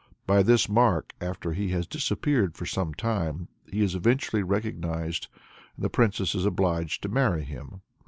By this mark, after he has disappeared for some time, he is eventually recognized, and the princess is obliged to marry him.